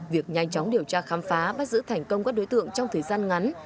việc nhanh chóng điều tra khám phá bắt giữ thành công các đối tượng trong thời gian ngắn